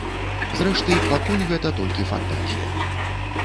Зрэшты, пакуль гэта толькі фантазія.